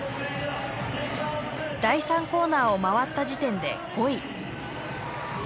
第３コーナーを回った時点で５位。